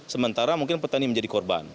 sementara mungkin petani menjadi korban